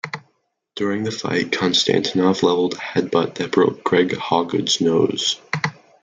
During the fight Konstantinov leveled a head-butt that broke Greg Hawgood's nose.